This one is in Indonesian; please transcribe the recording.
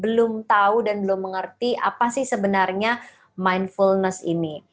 belum tahu dan belum mengerti apa sih sebenarnya mindfulness ini